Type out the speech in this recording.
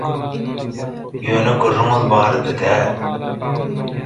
Ýöne gürrüň ol barada däl.